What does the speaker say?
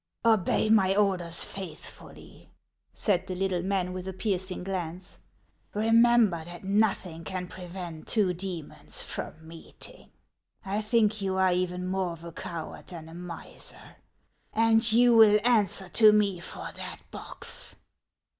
" Obey my orders faithfully," said the little man, with a piercing glance ;" remember that nothing can prevent two demons from meeting; I think you are even more of a cow ard than a miser, and you will answer to me for that box."